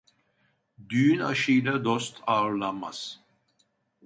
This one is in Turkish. Düğün aşıyla dost ağırlanmaz.